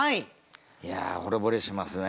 いやあほれぼれしますね。